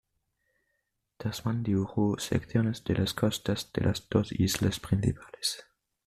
Tasman dibujó secciones de las costas de las dos islas principales.